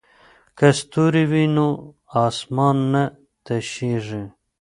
که ستوري وي نو اسمان نه تشیږي.